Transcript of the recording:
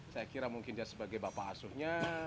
saya kira mungkin dia sebagai bapak asuhnya